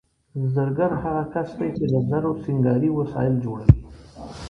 زرګر هغه کس دی چې له زرو سینګاري وسایل جوړوي